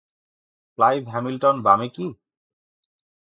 Clive Hamilton - বামে কি?